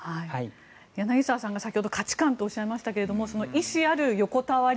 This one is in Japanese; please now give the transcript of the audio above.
柳澤さんが先ほど価値観とおっしゃいましたが意思ある横たわり